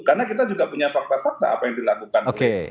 karena kita juga punya fakta fakta apa yang ditetapkan